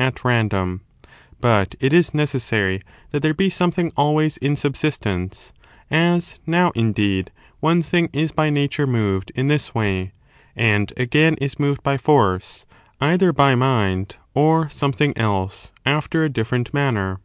[bOOK XL at random ; but it is necessary that there be something always in subsistence : as now, indeed, one thing is by nature moved in this way, and again is moved by force, either by Mind, or something else, after a different manner.